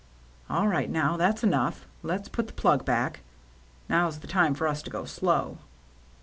"All right now; that's enough. Let's put the plug back. Now's the time for us to go slow."